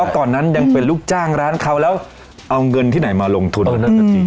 ก่อนนั้นยังเป็นลูกจ้างร้านเขาแล้วเอาเงินที่ไหนมาลงทุน